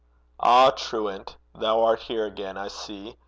Ah, truant, thou art here again, I see!